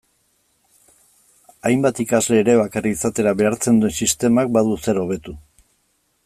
Hainbat ikasle elebakar izatera behartzen duen sistemak badu zer hobetu.